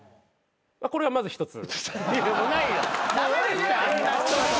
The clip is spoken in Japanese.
これまず１つ。